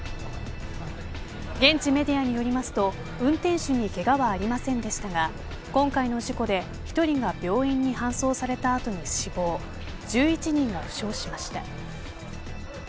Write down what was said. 現地メディアによりますと運転手にけがはありませんでしたが今回の事故で１人が病院に搬送された後に死亡１１人が負傷しました。